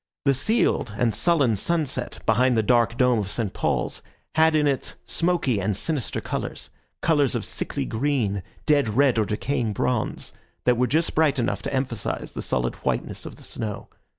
The sealed and sullen sunset behind the dark dome of St. Paul's had in it smoky and sinister colours—colours of sickly green, dead red or decaying bronze, that were just bright enough to emphasise the solid whiteness of the snow.